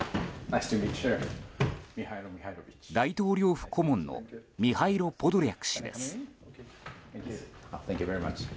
大統領府顧問のミハイロ・ポドリャク氏です。